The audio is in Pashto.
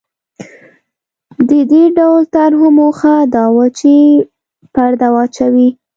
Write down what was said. د دې ډول طرحو موخه دا وه چې پرده واچوي.